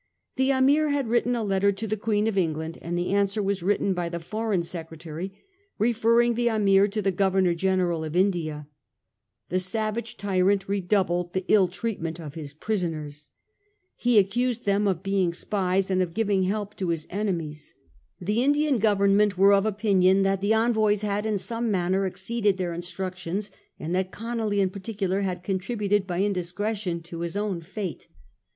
The Ameer had written a letter to the Queen of England, and the answer was written by the Foreign Secretary, referring the Ameer to the Governor General of India. The savage tyrant re doubled the ill treatment of his captives. He accused them of being spies and of giving help to his enemies. The Indian Government were of opinion that the envoys had in some manner exceeded their instruc tions, and that Conolly in particular had contributed by indiscretion to his own fate.